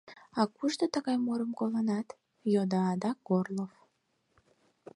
— А кушто тыгай мурым колынат? — йодо адак Горлов.